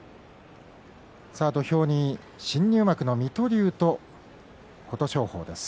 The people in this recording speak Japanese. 土俵に新入幕の水戸龍と琴勝峰です。